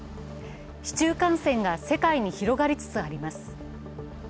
市中感染が世界に広がりつつあります。